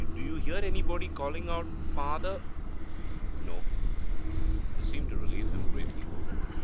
Do you hear anybody calling out "Father"?' 'No.' This seemed to relieve him greatly.